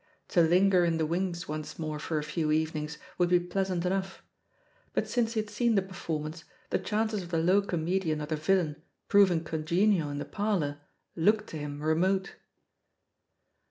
To linger in the wings once more for a few evenings would be pleasant enough; but since he had seen the performance, the chances of the low comedian or the villain proving con genial in the parlour looked to him remote.